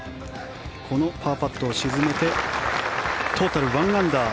パーパットを沈めてトータル１アンダー。